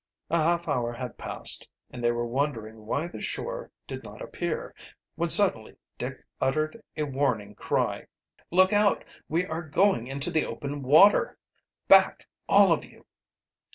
A half hour had passed, and they were wondering why the shore did not appear, when suddenly Dick uttered a warning cry. "Look out! We are going into the open water! Back all of you!"